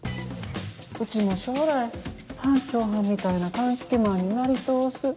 うちも将来班長はんみたいな鑑識マンになりとおす。